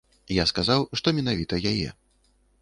Я сказаў, што менавіта яе.